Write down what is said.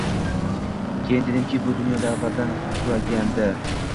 Keyin dedimki bu dunyo avvaldan qulagandi.